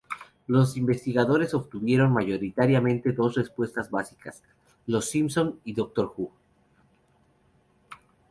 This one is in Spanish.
Los investigadores obtuvieron mayoritariamente dos respuestas básicas, "Los Simpsons" y "Doctor Who".